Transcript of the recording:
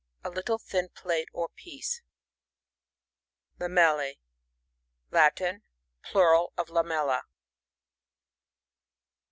A liitle thin plate or piece. La'meli..«. — Latin. Plural of lianietla.